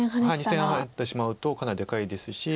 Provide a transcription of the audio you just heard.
２線ハネてしまうとかなりでかいですし。